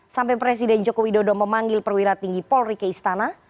sampai presiden joko widodo memanggil perwira tinggi polri ke istana